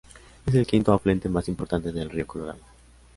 Es el quinto afluente más importante del río Colorado.